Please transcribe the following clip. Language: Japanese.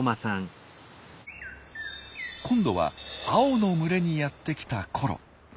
今度は青の群れにやって来たコロ。